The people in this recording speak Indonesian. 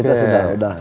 kita sudah sudah